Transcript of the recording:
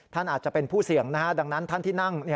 ท่านอาจจะเป็นผู้เสี่ยงดังนั้นท่านที่นั่ง